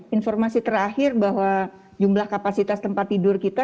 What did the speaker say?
informasi terakhir bahwa jumlah kapasitas tempat tidur kita